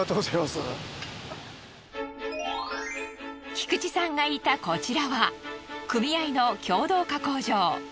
菊池さんがいたこちらは組合の共同加工場。